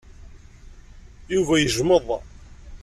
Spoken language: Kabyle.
Yuba yejmeḍ.